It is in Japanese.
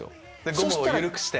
ゴムを緩くして。